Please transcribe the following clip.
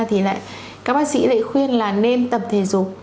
thì lại các bác sĩ lại khuyên là nên tập thể dục